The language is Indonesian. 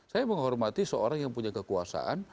saya menghormati seorang yang punya kekuasaan